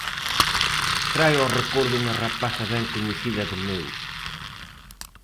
Traio ao recordo unha rapaza ben coñecida de meu.